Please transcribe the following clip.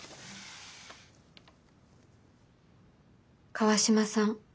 「川島さん